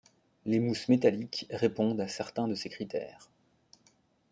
Les mousses métalliques répondent à certains de ces critères.